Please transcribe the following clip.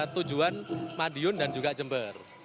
tujuan madiun dan juga jember